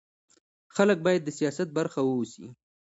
خلک باید د سیاست برخه واوسي